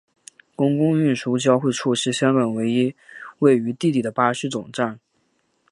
公共运输交汇处是香港唯一位于地底的巴士总站。